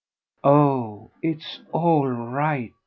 "Oh it's all right.